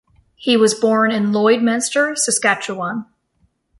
He was born in Lloydminster, Saskatchewan.